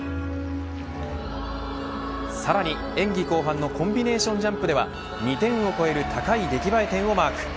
さらに、演技後半のコンビネーションジャンプでは２点を超える高い出来栄え点をマーク。